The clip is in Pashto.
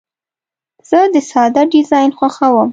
زه د ساده ډیزاین خوښوم.